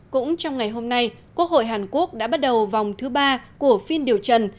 cũng trong ngày hôm nay quốc hội hàn quốc đã bắt đầu vòng thứ ba của phiên điều trần